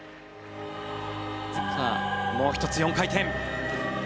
もう１つ、４回転。